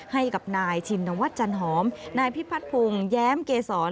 ให้กับนายชินวัฒน์จันหอมนายพิพัฒนพงศ์แย้มเกษร